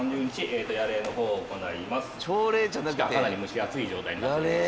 地下かなり蒸し暑い状態になっております。